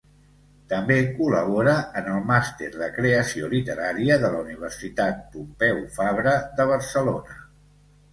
També col·labora en el Màster de Creació Literària de la Universitat Pompeu Fabra de Barcelona.